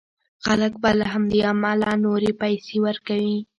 خلک به له همدې امله نورې پيسې ورکوي.